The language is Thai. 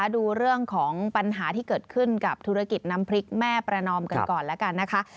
ดูเรื่องของปัญหาที่เกิดขึ้นกับธุรกิจน้ำพริกแม่ประนอมกันก่อนแล้วกันนะคะ